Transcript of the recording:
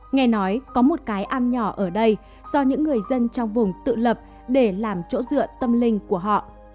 nghe nói có một cái am nhỏ ở đây do những người dân trong vùng tự lập để làm chỗ dựa tâm linh của họ